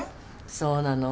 そうなの。